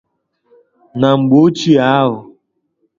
Na mgbe ochie ahụ